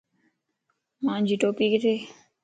مانجي ٽوپي ڪٿي؟